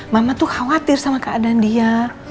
mama tuh khawatir sama keadaan dia